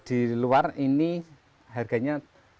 di luar ini harganya